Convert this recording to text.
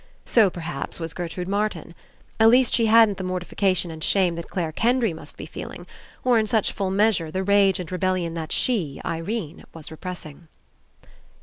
So, perhaps, was Gertrude Martin. At least she hadn't the mortification and shame that Clare Kendry must be feeling, or. In such full measure, the rage and rebellion that she, Irene, was repressing.